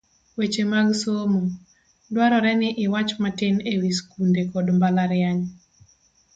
Weche mag Somo, dwarore ni iwach matin e wi skunde kod mbalariany